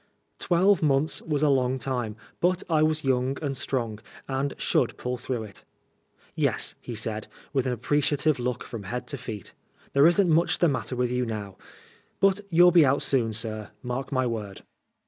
Twelve months was a long time, but I was young and strong, and should pull through it. " Yes," he said, with an appreciative look from head to feet, " there isn't much the matter with you now. But you'll be out soon, sir, mark my word.'